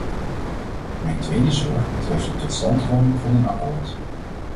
Mijn tweede zorg betreft de totstandkoming van een akkoord.